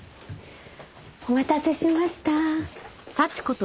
お待たせしました。